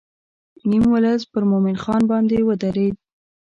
نیم ولس پر مومن خان باندې ودرېد.